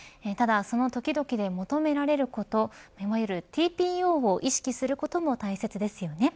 ただ、その時々で求められることいわゆるＴＰＯを意識することも大切ですよね。